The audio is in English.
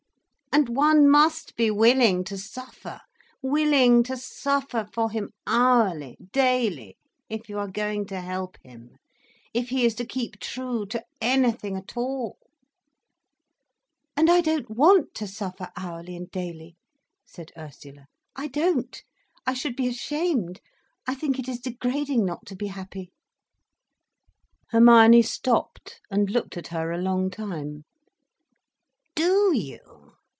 "And one must be willing to suffer—willing to suffer for him hourly, daily—if you are going to help him, if he is to keep true to anything at all—" "And I don't want to suffer hourly and daily," said Ursula. "I don't, I should be ashamed. I think it is degrading not to be happy." Hermione stopped and looked at her a long time. "Do you?"